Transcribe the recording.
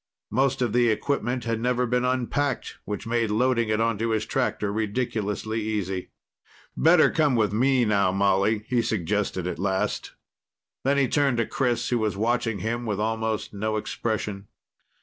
Most of the equipment had never been unpacked, which made loading it onto his tractor ridiculously easy. "Better come with me now, Molly," he suggested at last. Then he turned to Chris, who was watching him with almost no expression.